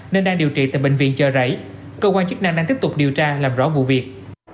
nên đang điều trị tại bệnh viện chợ rảy cơ quan chức năng đang tiếp tục điều tra làm rõ vụ việc